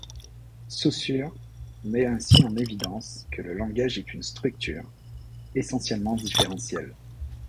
Saussure met ainsi en évidence que le langage est une structure, essentiellement différentielle.